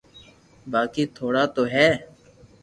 باقي ٿوڙا تو ھي